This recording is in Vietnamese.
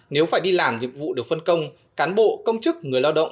nếu phải đi làm nhiệm vụ được phân công cán bộ công chức người lao động